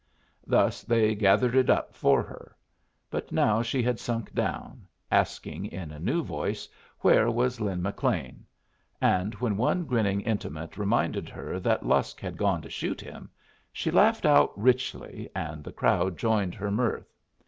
Thus they gathered it up for her. But now she had sunk down, asking in a new voice where was Lin McLean. And when one grinning intimate reminded her that Lusk had gone to shoot him, she laughed out richly, and the crowd joined her mirth.